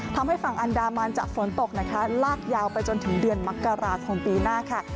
ทำให้ฝั่งอันดามันจะฝนตกนะคะลากยาวไปจนถึงเดือนมกราคมปีหน้าค่ะ